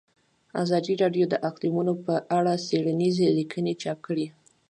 ازادي راډیو د اقلیتونه په اړه څېړنیزې لیکنې چاپ کړي.